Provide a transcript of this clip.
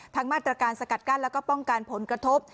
มาตรการสกัดกั้นแล้วก็ป้องกันผลกระทบ